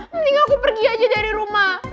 mendingan aku pergi aja dari rumah